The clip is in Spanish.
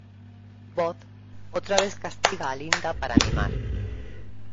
Bob otra vez castiga a Linda para mimar.